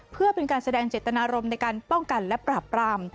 เพื่อเป็นการแสดงเจตนารมณ์ในการป้องกันและปราบปราม